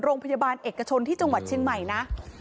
โรงพยาบาลเอกชนที่จังหวัดเชียงใหม่นะ